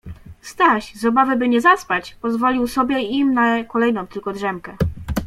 Staś z obawy, by nie zaspać, pozwolił sobie i im na kolejną tylko drzemkę.